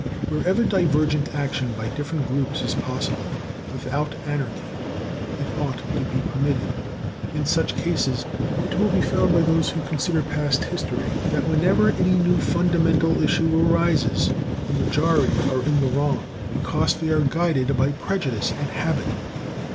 Wherever divergent action by different groups is possible without anarchy, it ought to be permitted. In such cases it will be found by those who consider past history that, whenever any new fundamental issue arises, the majority are in the wrong, because they are guided by prejudice and habit.